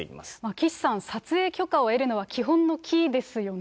岸さん、撮影許可を得るのは基本の基ですよね。